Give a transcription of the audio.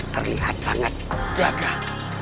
terlihat sangat gagah